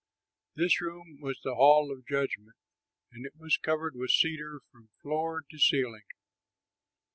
This room was the Hall of Judgment; and it was covered with cedar from floor to ceiling.